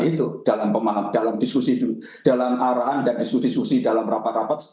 itu dalam pemaham dalam diskusi dalam arahan dalam diskusi diskusi dalam rapat rapat